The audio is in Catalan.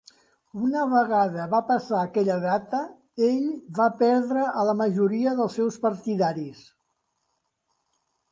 Una vegada va passar aquella data, ell va perdre a la majoria dels seus partidaris.